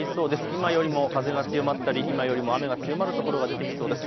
今よりも風が強まったり今よりも雨が強まる所が出てきそうです。